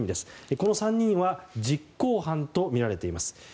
この３人は実行犯とみられています。